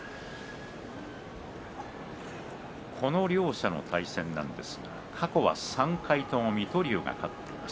この両者の対戦ですが過去は３回とも水戸龍が勝っています。